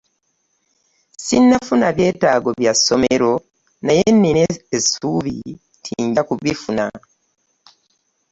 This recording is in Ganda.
Sinafuna byetaago bya ssomero naye nina essuubi nti nja kubifuna.